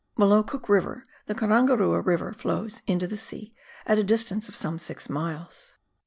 Below Cook River the Karangarua flows into the sea at a distance of some six miles.